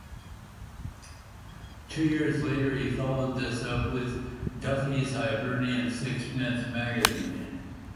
Two years later he followed this up with "Duffy's Hibernian Sixpence Magazine".